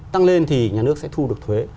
tăng lên thì nhà nước sẽ thu được thuế